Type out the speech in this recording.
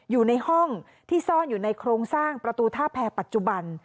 อยู่ในห้องที่ซ่อนอยู่ในโครงสร้างประตูท่าแพรปัจจุบัน